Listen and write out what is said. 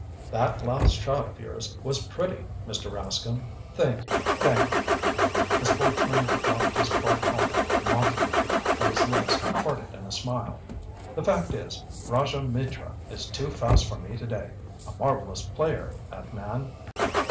"That last shot of yours was pretty, Mr. Rascomb." "Thank you, thank you." The sportsman doffed his cork helmet mockingly, and his lips parted in a smile. "The fact is, Rajah Mitra is too fast for me today. A marvelous player, that man!"